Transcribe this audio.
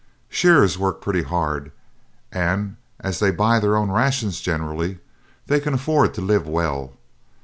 Shearers work pretty hard, and as they buy their own rations generally, they can afford to live well.